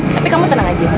tapi kamu tenang aja ya